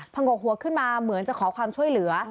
งกหัวขึ้นมาเหมือนจะขอความช่วยเหลือ